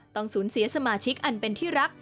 ต้องสูญเสียสมาชิกอันเป็นที่รัก